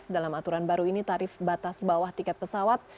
dalam aturan baru ini tarif batas bawah tiket pesawat